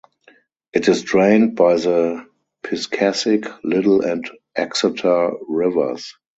It is drained by the Piscassic, Little and Exeter rivers.